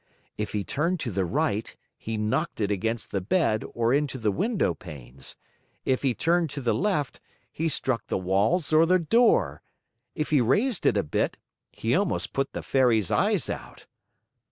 If he turned to the right, he knocked it against the bed or into the windowpanes; if he turned to the left, he struck the walls or the door; if he raised it a bit, he almost put the Fairy's eyes out.